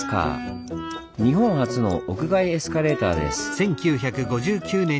日本初の屋外エスカレーターです。